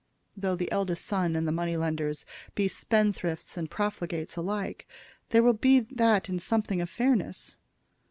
Though the eldest son and the money lenders be spendthrifts and profligates alike, there will in that be something of fairness.